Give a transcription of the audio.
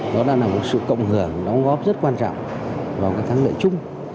đó là một sự cộng hưởng đóng góp rất quan trọng vào cái thắng lợi chung